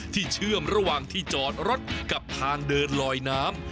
เชื่อมระหว่างที่จอดรถกับทางเดินลอยน้ำ